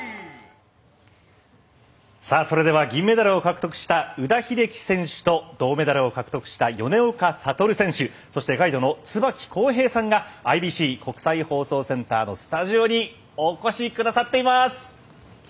さあ、それでは銀メダルを獲得した宇田秀生選手と銅メダルを獲得した米岡聡選手そしてガイドの椿浩平さんがＩＢＣ＝国際放送センターのスタジオにお越しくださっています。